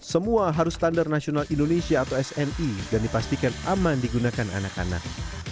semua harus standar nasional indonesia atau smi dan dipastikan aman digunakan anak anak